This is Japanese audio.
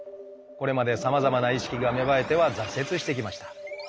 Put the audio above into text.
これまでさまざまな意識が芽生えては挫折してきました。